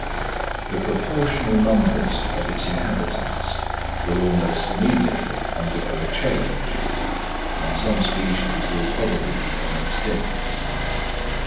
The proportional numbers of its inhabitants will almost immediately undergo a change, and some species will probably become extinct.